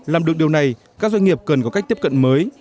làm được điều này các doanh nghiệp cần có cách tiếp cận mới